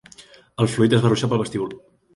El fluid es va ruixar pel vestíbul.